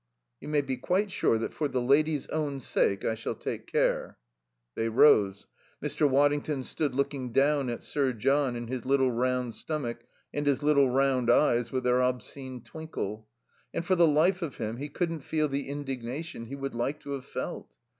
"You may be quite sure that for the lady's own sake I shall take care." They rose; Mr. Waddington stood looking down at Sir John and his little round stomach and his little round eyes with their obscene twinkle. And for the life of him he couldn't feel the indignation he would like to have felt.